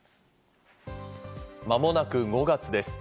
間もなく５月です。